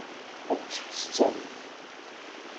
Ečč s ttawil.